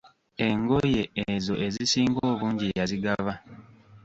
Engoye ezo ezisinga obungi yazigaba.